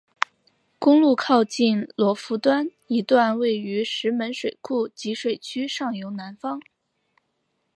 公路靠近罗浮端一段位于石门水库集水区上游南方。